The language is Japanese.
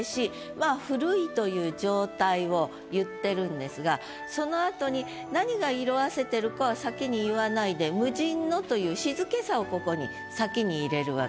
まあ古いという状態を言ってるんですがそのあとに何が色褪せてるかは先に言わないで「無人の」という「色褪せし」